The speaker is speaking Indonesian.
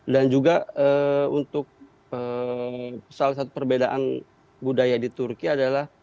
dan juga untuk salah satu perbedaan budaya di turki adalah